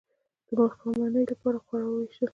د ماښامنۍ لپاره یې خواړه ویشل.